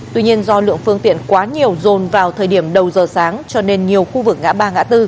tuy nhiên do lượng phương tiện quá nhiều dồn vào thời điểm đầu giờ sáng cho nên nhiều khu vực ngã ba ngã tư